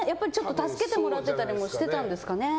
助けてもらってたりもしてたんですかね。